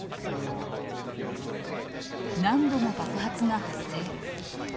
何度も爆発が発生。